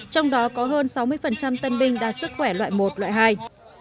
trong đó có hơn sáu mươi tân binh đạt sức khỏe loại một loại hai